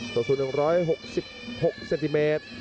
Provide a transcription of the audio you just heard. ส่วนสูง๑๖๖เซนติเมตร